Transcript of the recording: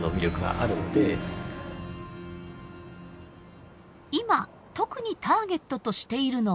今特にターゲットとしているのは。